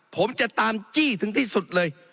ผมจะตามจี้ถึงที่สุดเลย